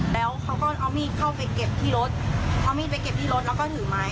แล้วเขาก็เอามีดเข้าไปเก็บที่รถเอามีดไปเก็บที่รถแล้วก็ถือไม้